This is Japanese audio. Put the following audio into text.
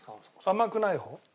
甘くない方？